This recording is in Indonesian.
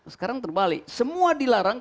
sekarang terbalik semua dilarang